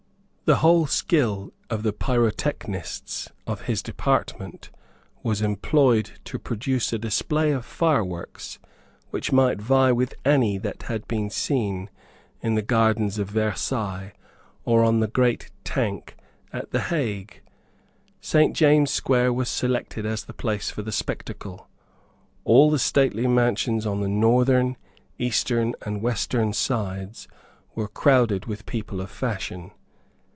The whole skill of the pyrotechnists of his department was employed to produce a display of fireworks which might vie with any that had been seen in the gardens of Versailles or on the great tank at the Hague. Saint James's Square was selected as the place for the spectacle. All the stately mansions on the northern, eastern and western sides were crowded with people of fashion.